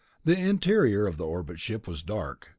The interior of the orbit ship was dark.